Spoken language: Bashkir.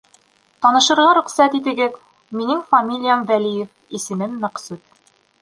Танышырға рөхсәт итегеҙ. Минең фамилиям Вәлиев, исемем Мәҡсүт.